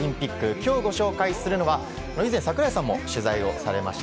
今日、ご紹介するのは以前、櫻井さんも取材されました